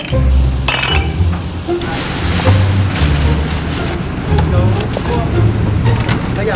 มันมีอยู่แล้วครับเพราะชาวบ้านเขาไม่แยกให้เรา